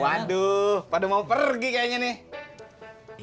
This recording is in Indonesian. waduh pada mau pergi kayaknya nih